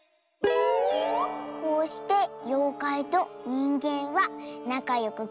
「こうしてようかいとにんげんはなかよくくらしましたとさ。